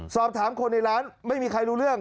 สอบถามคนในร้านไม่มีใครรู้เรื่อง